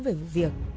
về vụ việc